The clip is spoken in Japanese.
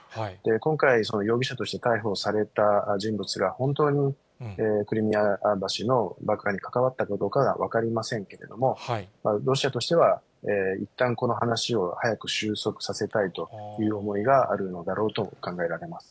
今回、容疑者として逮捕された人物が、本当にクリミア橋の爆破に関わったかどうかは分かりませんけれども、ロシアとしてはいったん、この話を早く収束させたいという思いがあるのだろうと考えられま